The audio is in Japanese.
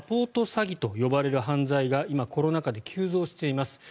詐欺と呼ばれる犯罪が今、コロナ禍で急増しています。